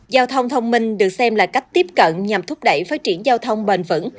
giao thông thông minh được xem là cách tiếp cận nhằm thúc đẩy phát triển giao thông bền vững